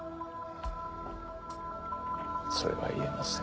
それは言えません。